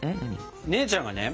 姉ちゃんがね